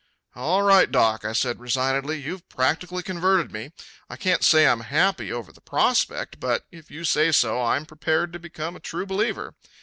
"All right, doc," I said resignedly. "You've practically converted me. I can't say I'm happy over the prospect, but if you say so I'm prepared to become a true believer.